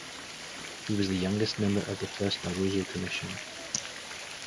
He was the youngest member of the first Barroso Commission.